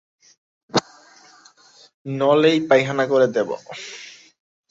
নড়লেই পায়খানা করে দেবো।